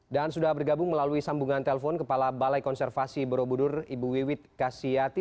dan sudah bergabung melalui sambungan telpon kepala balai konservasi borobudur ibu wiwit kasyati